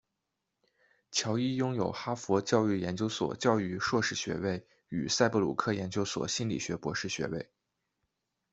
乔伊拥有哈佛教育研究所教育硕士学位与赛布鲁克研究所心理学博士学位。